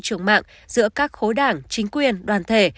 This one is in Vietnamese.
trường mạng giữa các khối đảng chính quyền đoàn thể